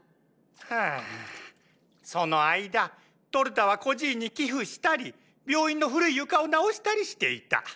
はぁその間トルタは孤児院に寄付したり病院の古い床を直したりしていた。